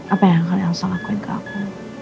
apa yang akan elsa ngakuin ke aku